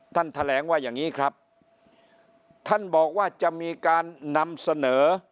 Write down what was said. แถลงว่าอย่างนี้ครับท่านบอกว่าจะมีการนำเสนอ